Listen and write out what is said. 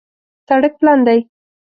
سړک پلن دی